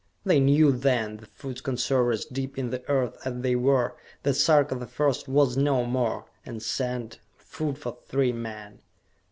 They knew then, the Food Conservers deep in the earth as they were, that Sarka the First was no more and sent food for three men!